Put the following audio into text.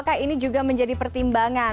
apakah ini juga menjadi pertimbangan